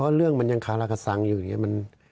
เรื่องมันยังคาราคาสังอยู่อย่างนี้